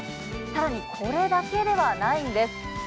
更に、これだけではないんです。